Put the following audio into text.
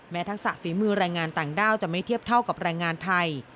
ทักษะฝีมือแรงงานต่างด้าวจะไม่เทียบเท่ากับแรงงานไทย